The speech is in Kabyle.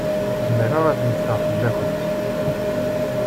Zemreɣ ad mmteɣ fell-awent.